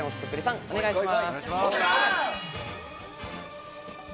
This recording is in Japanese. お願いします。